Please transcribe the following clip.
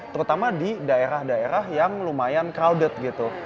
terutama di daerah daerah yang lumayan crowded gitu